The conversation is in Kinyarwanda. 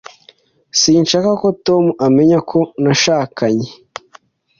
Sinshaka ko Tom amenya ko nashakanye.